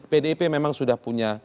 pdip memang sudah punya